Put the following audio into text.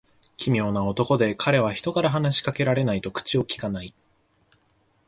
奇妙な男で、彼は人から話し掛けられないと口をきかない。